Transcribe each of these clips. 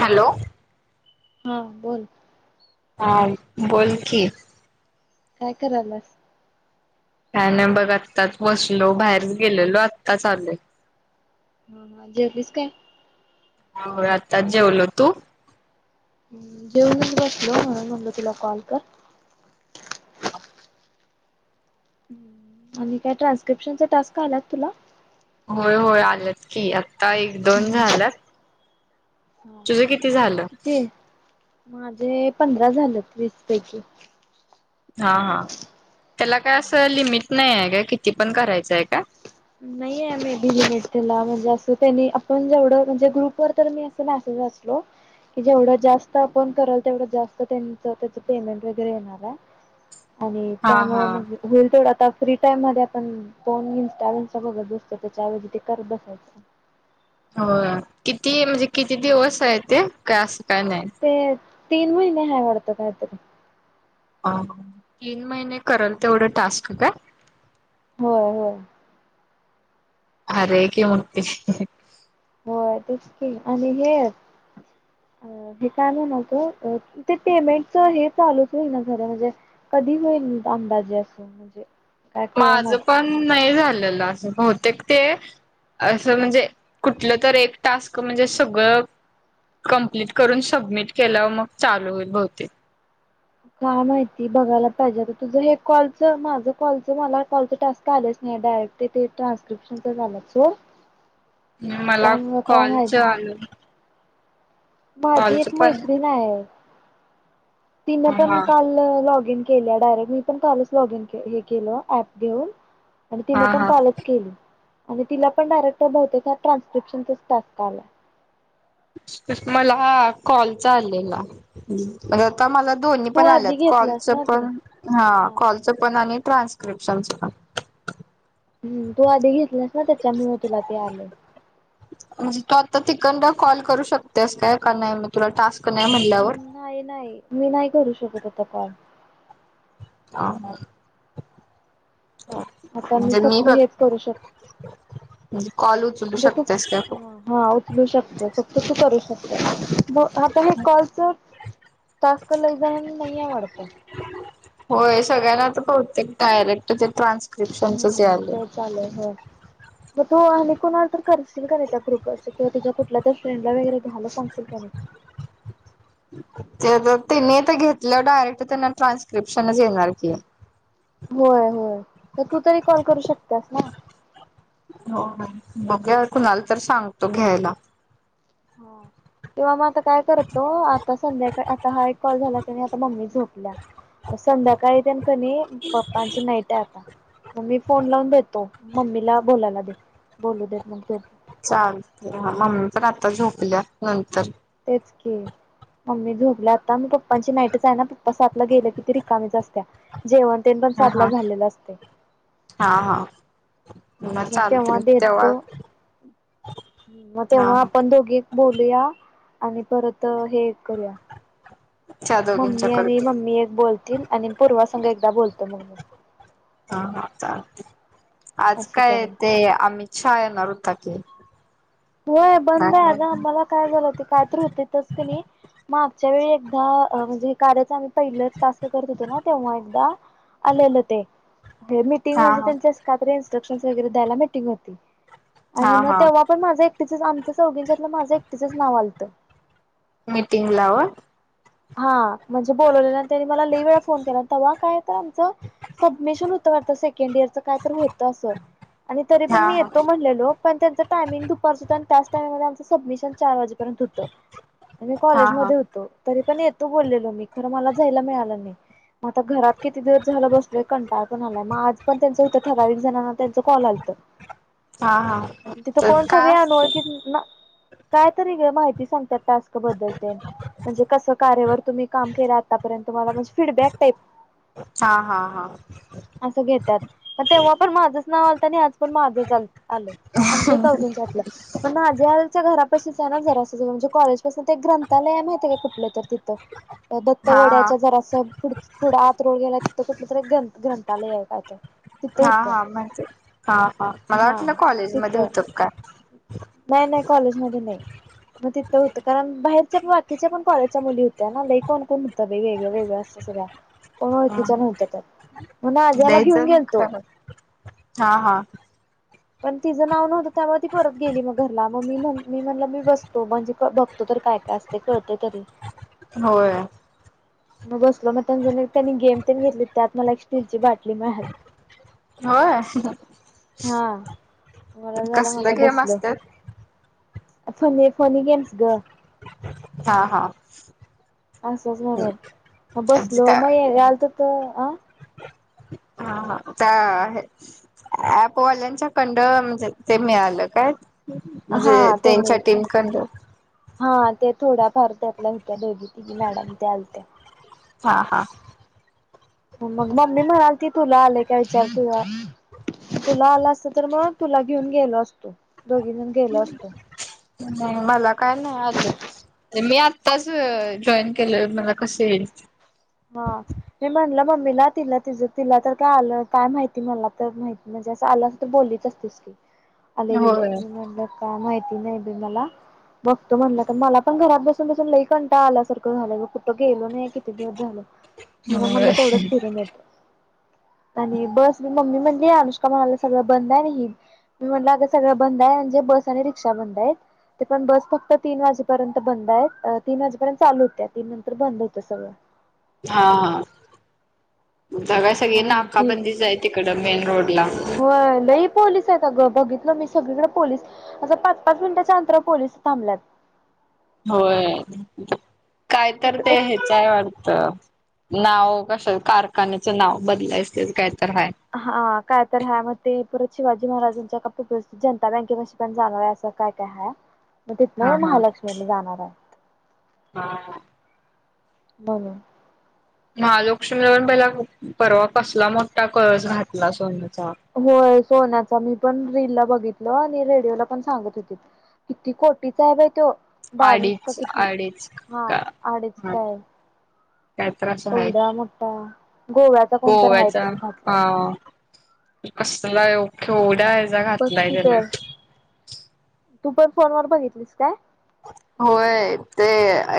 Hello. हा बोल. हा बोलकी काय करायलास. काय नाही बघ आत्ताच बसलो बाहेरच गेलेलो आत्ताच आलोय. होना जेवलीस काय? होय आत्ताच जेवलो तू हमम जेऊनच बसलो म्हणून म्हटलं तुला कॉल कर. आणि काय ट्रान्स्क्रिप्शन चा टास्क आलात तुला? होय होय आलंत की आ एक दोन झालात तुझं किती झालं? किती माझे पंधरा झालेत वीस पैकी हा हा त्याला काय असं लिमिट नाही आहे का किती पण करायचं आहे का? नाही आहे मे बी मला म्हणजे असं त्यांनी आपण जेवढं म्हणजे ग्रुप वर तर मी अस मॅसेज वाचलो. कि जेवढं जास्त आपण कराल तेवढं जास्त त्यांच त्याच पेमेंट वगैरे येणारये. आणि हा त्यामुळे हा मग होईल तेवढं आता फ्री टाइम मध्ये आपण फोन इस्टा त्या बघंत बसतो त्याच्याऐवजी ते कर बसायचं. होय किती म्हणजे किती दिवस आहे ते काय असं काय नाय. होय तीन महिने हाय वाटतं काहीतरी. अअ तीन महिने करल तेवढं टास्क काय. होय होय. ह रे क मुटती [unintelligible] होय तेचकी आणि हे आहेत. अ हे काय म्हणातं होतो पेमेंटच हे चालूच होईना झालय म्हणजे कधी होईल अंदाजे असं म्हणजे काय माझं कळनाच पण नाही झालेलं असं बहुतेक ते असं म्हणजे कुठलं तर एक टास्क म्हणजे सगळं कंप्लीट करून सबमिट केल्यावर मग चालू होईल, बहुतेक. काय माहिती बघायला पाहिजे तर तुझं हे कॉलचं माझं कॉलच मला कॉलचं टास्क आलेच नाही डायरेक्ट ते तेे ट्रान्स्क्रिप्शन तर झालं सोड. मला त्यामुळे काय माहित कॉलच नाही. आलं. माझी कॉलच एक पण मैत्रीण आहे तिन पण हा काल लॉगिन केल डायरेक्ट मी पण कालच लॉगिन हे केल ऍप घेऊन आणि हा तिनं पण हा कालच केली आणि तिला पण डायरेक्ट बहुतेक ट्रान्स्क्रिप्शनचाच टास्क आला. मला कॉलचा आलेला. आता मला दोन्ही तू पण आधी आल्यात घेतलास कॉलचं ना ते पण हा कॉलच पण आणि ट्रान्स्क्रिप्शनचपण हम्म तू आधी घेतलास ना त्याच्या मुळ तुला ते आले. म्हणजे तू आता तिकडन कॉल करू शकतेस काय का नाही मी तुला टास्क नाही म्हणल्यावर नाही नाही मी नाही करू शकत आता कॉल. हा ना. आता मी फक्त हेच करू शक म्हणजे कॉल उचलू तू शकतेस का तु हा उचलू शकते फक्त तू करू शकते मग आता हे कॉलच टास्क लईजणाना नाहीय वाटतं. होय सगळ्यांना आता बहुतेक डायरेक्टच ये हम्म तेच आलय हो. मग आणिक कोणाल तर करशील का नाही त्या ग्रुप वरच की तुझ्या कुठल्या त्या फ्रेंडला वगैरे घ्यायला सांगशील का नाही. ते त्यांनी तर घेतलं डायरेक्ट त्यांना ट्रान्स्क्रिप्शनच येणार की. होय होय तर तू तरी कॉल करू शकतास ना. हो हो मग कुणाला तर सांगतो घ्यायला. हा. किंवा मग आता काय करतो आता संध्याकाळी आता हा एक कॉल झाला कीम आता मम्मी झोप ला संध्याकाळी त्यान कनी पप्पांची नायट ये आता. म मी फोन लावून देतो मम्मीला बोलायला दे बोलू देत मग तो चालते ह मम्मी पण आता झोपल्या नंतर. तेच की मम्मी झोपली आता मग पप्पांची नाईट आहे ना प अस आपले गेलं कि ते रिकामीच असत्या जेवण तेन पण हा सातला हा. झालेलं असतय. हा हा. म तेव्हा भेटतो म हा तेव्हा हा आपण दोघी बोलूया आणि परत हे करूया. त्या मम्मी दोघींच्याकड आणि दे. मम्मी एक बोलतील आणि पूर्वा संघ एकदा बोलतो मग मी. हा चालते आज असं काय करूया. ते आमित शहा येणार होता की. होय हा बंद आहे ग मला काय झाल होत काय तरी होतेस कनी मागच्या वेळी एकदा अ म्हणजे कार्याच आम्ही पहिल टास्क करत होतो ना तेव्हा एकदा आलेले ते मीटिंग हा म्हणजे त्यांच अस कात इन्स्ट्रक्शन वगैरे द्यायला मिटिंग होती आणि हा मग हा तेव्हा पण माझं एक तीच आमचं चौघींच्या यातन माझंच एकटीच नाव आलतं. मीटिंगला व हा म्हणजे बोललेले त्यांनी मला लय वेळा फोन केला तेव्हा काय तर आमचं सबमिशन होत वाटत सेकंड इयरच काय तर होत असं आणि तरी हा पण मी हा येतो म्हणलेलो पण त्यांच टायमिंग दूपारच होता आणि त्याच टामिंगमध्ये आमंच सबमिशन चार वाजे पर्यंत होत आणि मी हा कॉलेज हा मध्ये होतो. तरी पण येतो बोललेलो मी खरं मला जायला मिळालं नाही. म आता घरात किती दिवस झालं बसलोय कंटाळ पणा आला मग आज पण त्यांचं होतं ठराविक जणांना त्यांच कॉल आलत. [unintelligible] तिथ तर कोण सगळे काय अनोळखीच असत ना. काय तरी ग माहिती सांगतात टास्क बद्दल ते म्हणजे कस कार्यावर तुम्ही काम केलं आतापर्यंत तुम्हाला म्हणे फीडबॅक टाईप. हा हा हा असं घेतात तेव्हा पण माझंच नाव आलतं आणि आज पण माझं आ आल आमच चौघींच्यातलं मण माझ्याच्या आलच्या घरा पासनच आहे ना जरा ज म्हणजे कॉलेज पाासून तर एक ग्रंथाय माहिती आहे काय कुठलं तर तिथं त्या दत्त हा हा वड्याच्या जरा असं पुढ पुढे आत रोड गेला तिथं कुठलं तरी गंथ -ग्रंथालय हाय काय तर. तिथं हा हा होतं माहित ये हा हा मला वाटलं कॉलेजमध्ये होतं की काय. नाही नाही कॉलेजमध्ये नाही. मग तिथं होतं कारण बाहेरच्या बाकीच्या पण कॉलेजच्या मुली होत्या ना लई कोण कोण होतं वेगळं वेगळं असं. त्या सगळ्या कोण ओळखीच्या नव्हत्या त्यात म्हणून आज्याला लय घेऊन जण गेलतो. खरं हा हा. पण तिज नाव नव्हतं त्यामुळे ती परत गेली मग घरला मग मी- मी म्हणलं मी बसतो म्हणजे बघतो तर काय कायं ते कळतंय तरी. होय. मग बसलो मग त्यां त्यांनी गेम त्यांनी घेतली त्यात मला एक स्टील ची बाटली मिळाली. होय हा मला झाला कसले म्हणलं गेम बसलो असतात. फनी फनी गेम्स ग. हा हा. असंच म्हणून म बसलो त्या म ये आलत तर अ हा हा चा हे. ऍपवाल्यांच्या कंड, म्हणजे ते मिळालं काय? हा म्हणजे तेंच्या त्यानी टीमकडन? हा, ते थोड्याफार त्यातल्या होत्या, दोघी तिघी मॅडम त्यातल्या आलत्या. हा हा. मग मम्मी म्हणालती तुला आलय का विचार? तुला तुला आल असत तर मग, तुला घेऊन गेलो असतो, दोघीजण गेलो असतो. हम्म! मला काय नाही आल. मी आत्ताच जॉईन केलोय, मला कस येईल. हा. मी म्हणलं मम्मीला, तिला तिज तिला तर काय आलं काय माहिती मला तर माहित म्हणजे असं आलं तर बोललीच असतीस की [unintelligible] [inaudible] आलय भिलेय, मी म्हणलं काय माहिती नाही बय मला. बघतो म्हणल, आता मला पण घरात बसून बसून लई कंटाळ आल्यासारं व्हालय ग, कुठं गेलो नाही क किती दिवस झाल, म्हणून म्हणला होय तेवढंच फिरून येतो. आणि बस, मी मम्मी म्हणली अनुष्का म्हणाल्या, सगळं बंद आहे, म ही मी म्हटलं अग सगळं बंद आहे, म्हणजे बस आणि रिक्षा बंद आहेत. ते पण बस फक्त तीन वाजेपर्यंत बंद आहेत, तीन वाजेपर्यंत चालू होत्या, तीन नंतर बंद होतं सगळं. हा हा. बगा सगळी मग म्हणली ती नाकाबंदीच आहे, तिकडं मेन रोडला होय लई पोलीस आहेत अगं, बघितलो मी सगळीकड पोलीस असं पाच-पाच मिनिटाच्या अंतरावर पोलीस थांबल्यात. होय, काय तर इकडे ते च हाय वाढत, नाव कस कारखान्याचं नाव बदलायचच काय तर हाय. हा, काय तर हाय, म ते परत शिवाजी महाराजांच्या [unintelligible] जनता बँके पाशी पण जाणार आहे, असं काय काय हाय. [unintelligible] [inaudible] मग तिथनं महालक्ष्मीला जाणार आहे. हा हा. म्हणून महालक्ष्मीला पण पहिला, परवा कसला मोठा कळस घातला सोन्याचा. होय सोन्याचा, मी पण रीलला बघितललो, आणि रेडिओला पण सांगत होतीत. किती कोटीचा आहे बाई त्यो बावीस का अडीच किती, अडीच हा का अडीच हा काय काय तर असं आहे कवडा मोठा, गोव्याचा कोणतर हाय तो घातलाय. कसलाय व केवडाय बक्की तर, तू पण फोनवर बघितलीस काय? होय, ते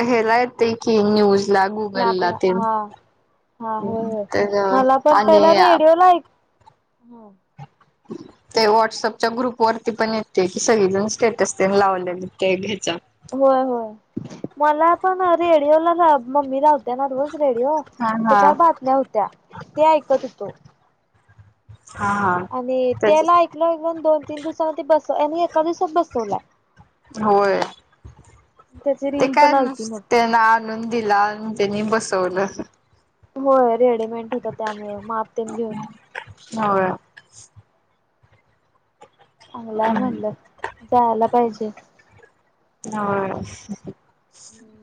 हेला येतय की न्यूज ला गुगलला स्नॅपला, तेन हा. हा, होय होय, तर मला पण आणि पहिला रेडिओ ला ऐक [unintelligible] [inaudible] ते व्हॉट्सअपच्या ग्रुप वरती पण येतय की, सगळीजण स्टेटस तेन लावलेले ते हेचा होय होय, मला पण रेडिओ ला मम्मी दाखवली त्यांना रोज रेडिओ, हा हा त्याच्यावर बातम्या होत्या, ते ऐकत होतो. हा हा. आणि त्याच तेला ऐकलं ऐकलो, आणि दोन-तीन दिवसांन ते बस आणि एका दिवसात बसवलाय. होय. त्याची ते रील काय पण आलती नुस मग. त्यांना आणून दिला, आणि त्यांनी बसवलं. होय, रेडीमेंट होत त्यामुळ, माप तेन घेऊन. होय. चांगलाय म्हणलं, जायला पाहिजे. होय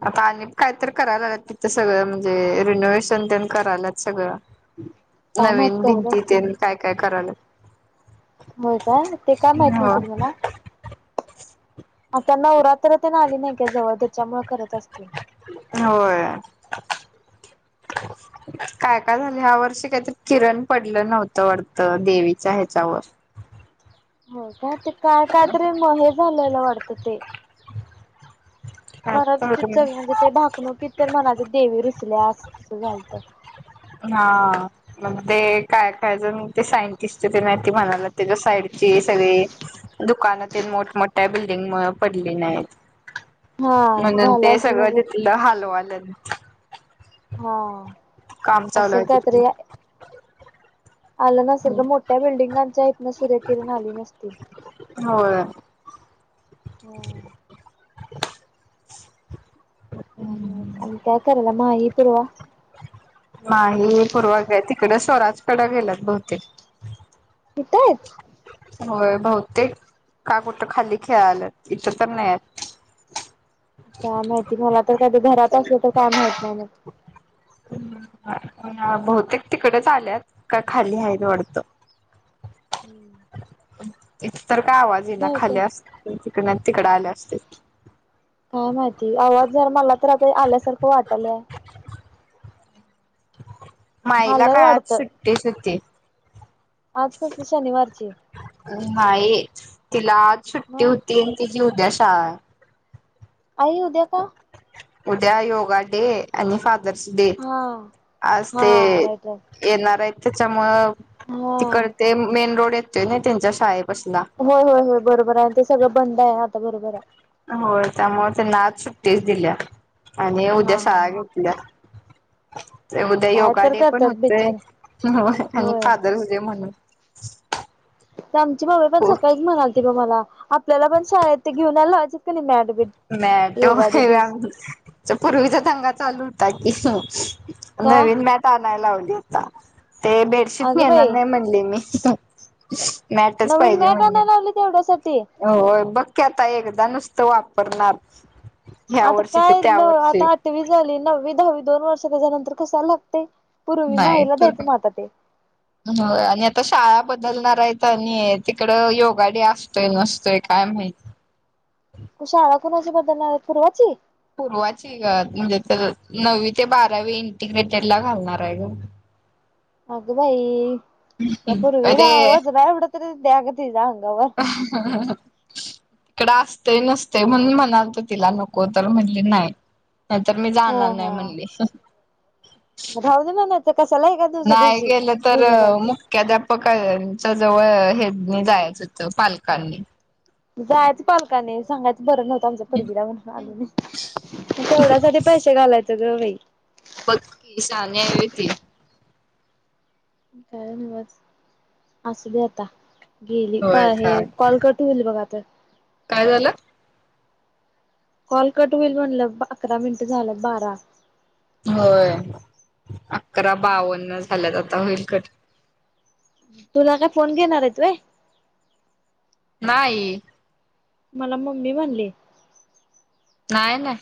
आता आणि काय तर कराय लागलात तिथं सगळं म्हणजे रेनिवेशन तेण करायलात सगळं. काय माहित नवीन करत भिंती असतील तेन काय काय करायल्यात होय काय ते काय माहित सोड मला आता नवरात्र ते ना आली नाही का जवळ त्याच्यामुळे करत असतील. होय काय काय झालं ह्या वर्षी काहीतरी किरण पडलं नव्हतं वाटतं देवीच्या ह्याच्यावर हो काय ते काय काय तरी म हे झालेला वाटतं ते मर त ति चग म्हणजे ते भाकणू की तर म्हनात देवी रुचल्या असं झालतं हा मग ते काय काय जण ते सायन म्हणाल्या त्याच्या साईडची सगळे दुकान मोठमोठ्या बिल्डिंगमुळे पडली नाहीत. हा म्हणून झालं ते असेल सगळं म्हणजे तिथलं हलवाल्यात हा काम चालू असं आहे तिथलं काहीतरी आलं नसलं ग मोठ्या बिल्डिंगांच्या इथन सूर्यकिरण आली नसतील. होय हम्म आणि काय करायल्या माही पुरवा माही पूर्वक तिकडे स्वराज कड गेलत बहुतेक. इथं आहेत. होय बहुतेक का कुठं खाली खेळाल्यात इथं तर नाही आहेत. काय माहिती मला तर कधी घरात असलं तर काय माहित नाही मग बहुतेक तिकडेच आल्यात का खाली आहे वाटतं हम्म इथं तर काय आवाज ये ना खाली असते तिकडे तिकडे आले असते. काय माहिती आवाज जर मला तर आता आल्यासारखं वाटलय. माईला आलं काय आज वाटतं सुट्टी सुट्टी आज कसली शनिवारची नाही तिला आज सुुट्टी मग होती आणि तिझी उद्या शाळा आई उद्या का? उद्या योगा डे आणि फादर्स डे हा आज ते हा राईट राईट येणार आहेत त्याच्यामुळं तिकडं हा. ते मेन रोड येतोय ना त्यांच्या शाळेपशीला होय होय होय बरोबर आहे ते सगळं बंद आहे आता बरोबर आहे. होय त्यामुळे त्यांना आज सुट्टीच दिल्या आणि उद्या हा हा शाळा हा. घेतल्या ते उद्या काय योगा तर डे पण करतात होतय बिचारे आणि होय. फादरस डे म्हणून ह आमची मम्मी पण सकाळीच म्हणालत बघ मला आपल्याला पण शाळेत घेऊनयला लावायचेत का नाही मॅडबीट मॅट होय पूर्वीचा दगा चालू होता कि का नवीन मॅट आणायला लावली होता ते बेडशीट अगं नेणार बाई नाही म्हणली मी मॅटच नवीन पाहिजे मॅट म्हणली आणाय लावली तेवढ्यासाठी होय बघ क आता एकदा नुसतं वापरणार ह्या आता वर्षी ते काय त्या न वर्षी आता आठवी झाली नववी दहावी दोन वर्ष त्याच्यानंतर कसाला लागते. नाही तर का हो आणि आता शाळा बदलणार आहे तर नाही तिकड योगाडे असतोय नसतोय काय माहिती शाळा कुणाच्या बदलणार पूर्वाची? पूर्वाची ग म्हणजे तर नववी ते बारावी इंटिग्रेटेड ला घालणार आहे ग अग बाई त्या पूर्वीच अरे वजना एवढं तरी द्याग तिच्या अंगावर [unintelligible] इकड आसते नसते म्हणून म्हणालत तिला नको तर म्हणले नाही. नाही तर मी हा जाणार नाही म्हणली. ऱ्हाऊ दे मनात कशाला एका दिवसा दिवशी दिवसासाठी ख्याध्यापकांच्या जवळ हे न जायच होतं पालकांनी. जायाच पालकांनी सांगायचं बरं नव्हतं आमच पोरगिला म्हणून आलो नाही तेवढ्यासाठी पैसे घालायचं ग बाई. बस की सानिया ये ती. काय म असू दे आता. गेली होय बाहेर काय कॉल का ठिवली बघा आता. काय झालं? कॉल कट होईल म्हणलं ब अकरा मिनिट झालं बारा. होय अकरा बावन्न झाल्यात आता होईल कट. तुला काय फोन घेणार आहे तु आहे. नाही. मला मम्मी म्हणले. नाही नाही.